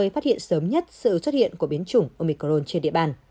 phát hiện sớm nhất sự xuất hiện của biến chủng omicron trên địa bàn